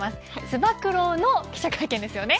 つば九郎の記者会見ですよね。